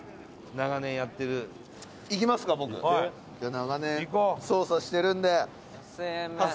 長年捜査してるんで。